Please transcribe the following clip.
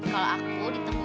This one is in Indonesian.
kalau aku ditemukan